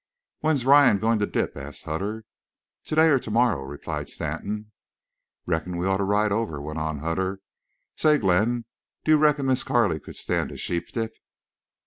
"When's Ryan goin' to dip?" asked Hutter. "Today or tomorrow," replied Stanton. "Reckon we ought to ride over," went on Hutter. "Say, Glenn, do you reckon Miss Carley could stand a sheep dip?"